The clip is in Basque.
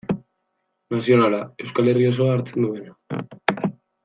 Nazionala, Euskal Herri osoa hartzen duena.